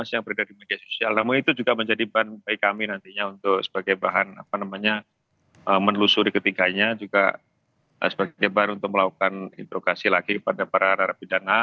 yang berada di media sosial namun itu juga menjadi bahan baik kami nantinya untuk sebagai bahan apa namanya menelusuri ketiganya juga sebagai bahan untuk melakukan interogasi lagi kepada para narapidana